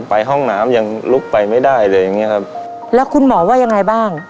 ห้องน้ำยังลุกไปไม่ได้เลยอย่างเงี้ยครับแล้วคุณหมอว่ายังไงบ้าง